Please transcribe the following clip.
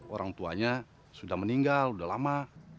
orang tuanya sudah meninggal sudah lama